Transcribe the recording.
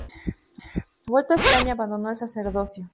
Vuelto a España abandonó el sacerdocio.